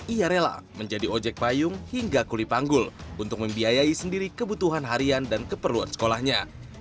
ia rela menjadi ojek payung hingga kulipanggul untuk membiayai sendiri kebutuhan harian dan keperluan sekolahnya